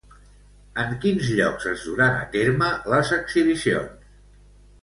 En quins llocs es duran a terme les exhibicions?